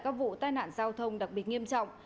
các vụ tai nạn giao thông đặc biệt nghiêm trọng